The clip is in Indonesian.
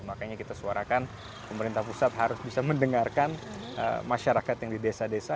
makanya kita suarakan pemerintah pusat harus bisa mendengarkan masyarakat yang di desa desa